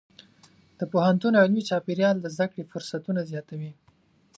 د پوهنتون علمي چاپېریال د زده کړې فرصتونه زیاتوي.